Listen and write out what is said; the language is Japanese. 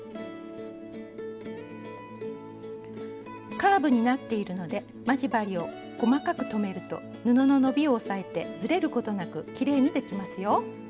カーブになっているので待ち針を細かく留めると布の伸びを抑えてずれることなくきれいにできますよ。